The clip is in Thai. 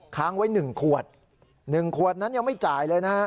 ค้างไว้๑ขวด๑ขวดนั้นยังไม่จ่ายเลยนะฮะ